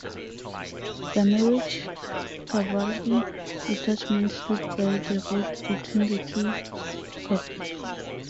Their meagre cavalry detachment stood by the road between the two corps.